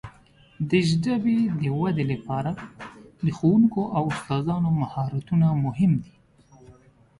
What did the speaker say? د ژبې د وده لپاره د ښوونکو او استادانو مهارتونه مهم دي.